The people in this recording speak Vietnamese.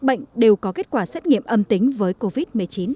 bệnh đều có kết quả xét nghiệm âm tính với covid một mươi chín